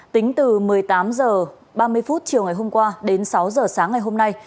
tính từ một mươi tám h ba mươi chiều ngày hôm qua đến sáu h sáng ngày hôm nay